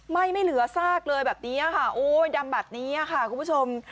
ไหม้ไม่เหลือซากเลยแบบนี้ค่ะโอ้ยดำแบบนี้ค่ะคุณผู้ชม